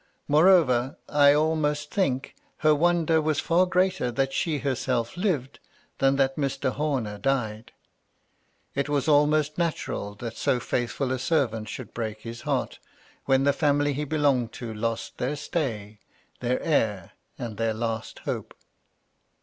Moreover, I almost think her wonder was far greater that she herself lived than that Mr. Homer died. It was almost natural that so faithful a servant should break his heart, when the family he belonged to lost their stay, their heir and their last hope.